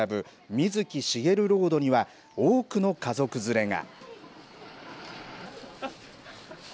水木しげるロードには、多くの家族連れが。